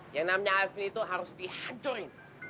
yang namanya lp itu harus dihancurin